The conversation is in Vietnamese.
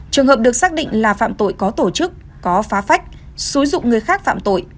trường hợp được xác định là phạm tội có tổ chức có phá phách xúi dụng người khác phạm tội